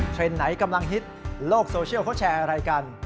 ไหนกำลังฮิตโลกโซเชียลเขาแชร์อะไรกัน